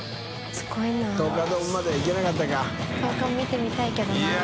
十日も見てみたいけどな。